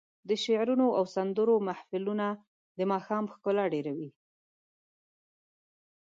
د شعرونو او سندرو محفلونه د ماښام ښکلا ډېروي.